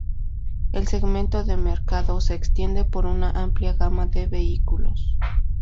El segmento de mercado se extiende por una amplia gama de vehículos.